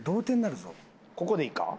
ここでいいか？